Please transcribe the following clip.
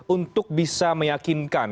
untuk bisa meyakinkan